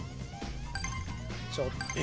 ちょっと。